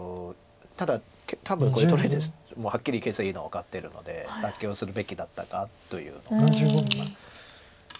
ただ多分これはっきり形勢いいのは分かってるので妥協するべきだったかというのが。